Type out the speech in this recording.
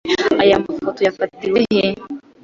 Aya mafoto yafatiwe he?